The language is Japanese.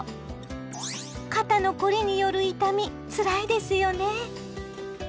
肩の凝りによる痛みつらいですよね。